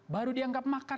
baru dianggap makar